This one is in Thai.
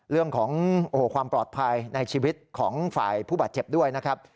เรื่องของความปลอดภัยในชีวิตของฝ่ายผู้บาดเจ็บด้วยนะครับ